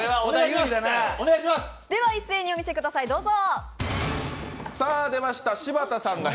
一斉にお見せください、どうぞ。